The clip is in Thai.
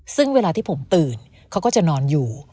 ซึ่งเวลาที่ผมตื่นเขาก็จะนอนอยู่